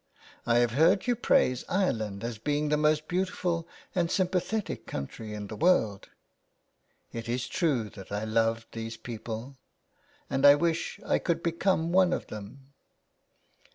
" I have heard you praise Ireland as being the most beautiful and sympathetic country in the world." " It is true that I love these people, and I wish I could become one of them."